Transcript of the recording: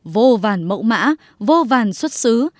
vô vàn mẫu mã vô vàn xuất xứ